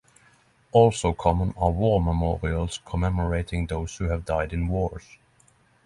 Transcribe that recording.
Also common are war memorials commemorating those who have died in wars.